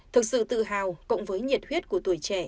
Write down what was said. thực sự tự hào cộng với nhiệt huyết của tuổi trẻ